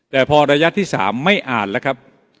แต่พอระยะที่๓ไม่อ่านแล้วครับ